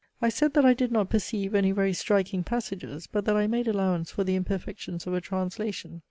I said that I did not perceive any very striking passages; but that I made allowance for the imperfections of a translation.